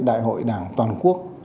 đại hội đảng toàn quốc